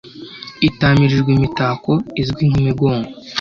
itamirijwe imitako izwi nk’imigongo